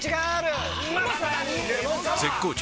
絶好調！！